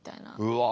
うわ。